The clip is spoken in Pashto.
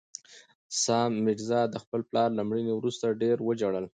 سام میرزا د خپل پلار له مړینې وروسته ډېر وژړل.